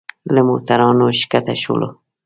له موټرانو ښکته شولو.